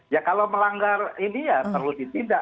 ya kalau melanggar ini ya perlu ditindak